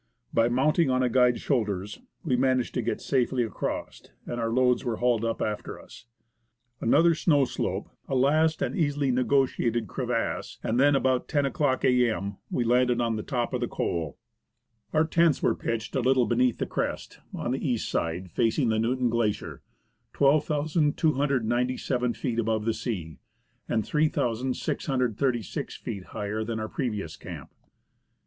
By mounting on a guide's shoulders, we managed to get safely across, and our loads were hauled up after us. Another snow slope, a last and easily negotiated crevasse, and then, at about lo o'clock a.m., we landed on the top of the col. Our tents were pitched a little beneath the crest, on the east side, facing the Newton Glacier, 12,297 feet above the sea, and 3,636 feet higher than our previous camp. H.R.